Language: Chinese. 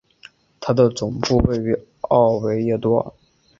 它的总部位于奥维耶多。